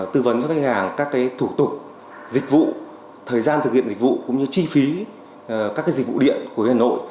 tư vấn cho khách hàng các thủ tục dịch vụ thời gian thực hiện dịch vụ cũng như chi phí các dịch vụ điện của hà nội